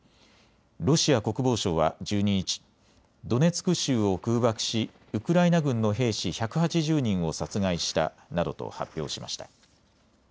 ロシア国防省は１２日、ドネツク州を空爆しウクライナ軍の兵士１８０人を殺害したなどと発表しました。